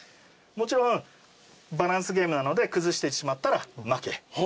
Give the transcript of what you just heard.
もちろんバランスゲームなので崩してしまったら負け。